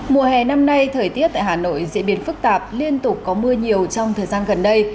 mùa hè năm nay thời tiết tại hà nội diễn biến phức tạp liên tục có mưa nhiều trong thời gian gần đây